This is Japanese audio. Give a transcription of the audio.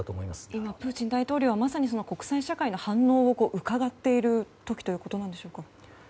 今、プーチン大統領はまさに国際社会の反応をうかがっている時ということですか。